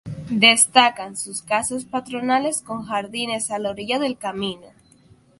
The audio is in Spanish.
Destacan sus casas patronales con jardines a la orilla del camino.